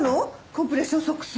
コンプレッションソックス。